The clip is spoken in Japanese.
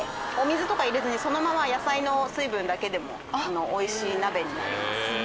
お水とか入れずにそのまま野菜の水分だけでも美味しい鍋になります。